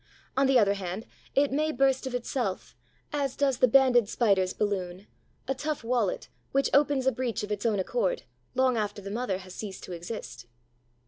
On the other hand, it may burst of itself, as does the Banded Spider's balloon, a tough wallet which opens a breach of its own accord, long after the mother has ceased to exist.